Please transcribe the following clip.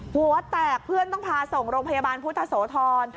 หัวแตกเพื่อนต้องพาส่งโรงพยาบาลพุทธโสธร